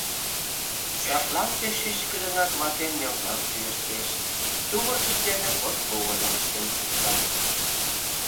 Садлан пеш чӱчкыдынак ватем мелнам кӱэштеш, тувыртыш дене подкогыльым ыштен пукша.